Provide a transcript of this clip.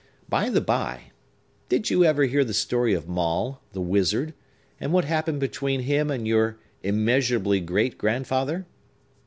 By the bye, did you ever hear the story of Maule, the wizard, and what happened between him and your immeasurably great grandfather?"